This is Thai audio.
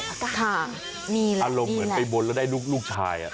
อารมณ์เหมือนไปบนแล้วได้ลูกชาย